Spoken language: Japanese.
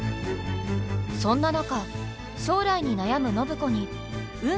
そんな中将来に悩む暢子に何？